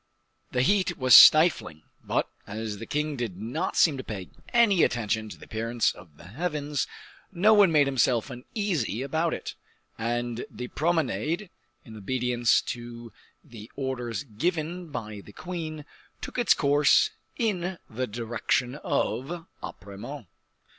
The heat was stifling; but, as the king did not seem to pay any attention to the appearance of the heavens, no one made himself uneasy about it, and the promenade, in obedience to the orders given by the queen, took its course in the direction of Apremont.